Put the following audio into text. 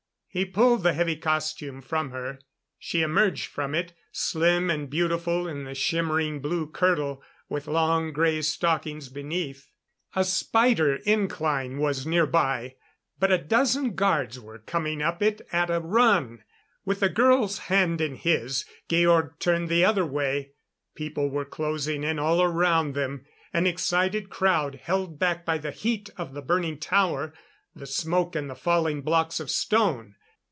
He pulled the heavy costume from her. She emerged from it slim and beautiful in the shimmering blue kirtle, with long grey stockings beneath. A spider incline was nearby. But a dozen guards were coming up it at a run. With the girl's hand in his, Georg turned the other way. People were closing in all around them an excited crowd held back by the heat of the burning tower, the smoke and the falling blocks of stone.